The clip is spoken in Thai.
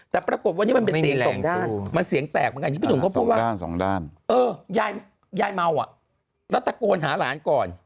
แต่ปรากฏว่านี่มันเป็นเสียงสองด้านอ๋อยายเมาอ่ะแล้วตะโกนหาร้านก่อน